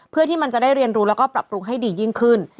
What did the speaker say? เพื่อที่มันจะได้เรียนรู้แล้วก็ปรับปรุงให้ดียิ่งขึ้น